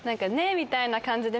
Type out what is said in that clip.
みたいな感じで。